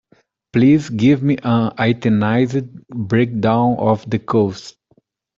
Please give me an itemized breakdown of the costs.